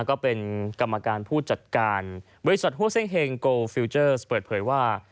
ก็เป็นกรรมการผู้จัดการบริษัทฮัวเซ่งเฮงโกฟิลเจอร์เปิดเผยว่า